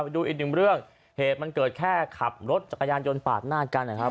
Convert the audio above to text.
ไปดูอีกหนึ่งเรื่องเหตุมันเกิดแค่ขับรถจักรยานยนต์ปาดหน้ากันนะครับ